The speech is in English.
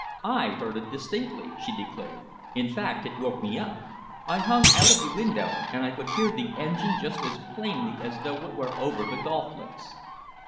"I heard it distinctly," she declared; "in fact it woke me up. I hung out of the window, and I could hear the engine just as plainly as though it were over the golf links."